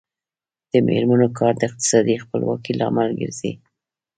د میرمنو کار د اقتصادي خپلواکۍ لامل ګرځي.